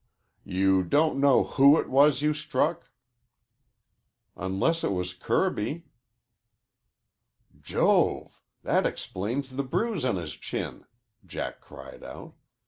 "You don't know who it was you struck?" "Unless it was Kirby." "Jove! That explains the bruise on his chin," Jack cried out.